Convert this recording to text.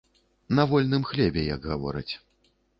На вольным хлебе, як гавораць.